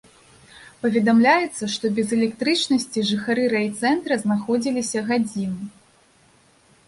Паведамляецца, што без электрычнасці жыхары райцэнтра знаходзіліся гадзіну.